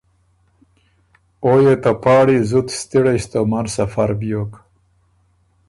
او يې ته پاړی زُت ستِړئ ستومن سفر بیوک۔